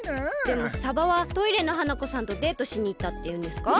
でも「さばはトイレの花子さんとデートしにいった」っていうんですか？